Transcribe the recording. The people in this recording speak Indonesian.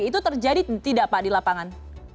itu terjadi tidak pak di lapangan